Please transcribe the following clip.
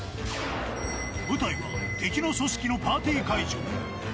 舞台は、敵の組織のパーティー会場。